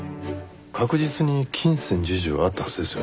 確実に金銭授受はあったはずですよね。